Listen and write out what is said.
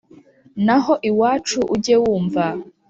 naho iwacu ujye wumva